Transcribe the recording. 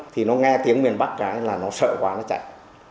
thì nó nghe tiếng miền bắc cái là nó sợ quá nó chạy